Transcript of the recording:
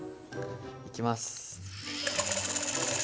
いきます。